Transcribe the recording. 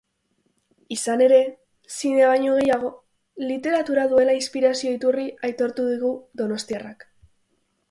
Izan ere, zinea baino gehiago literatura duela inspirazio iturri aitortu digu donostiarrak.